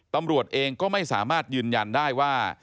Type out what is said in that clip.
ตำรวจเองก็ไม่สามารถยืนยันได้ว่า